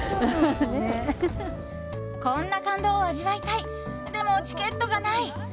こんな感動を味わいたいでもチケットがない。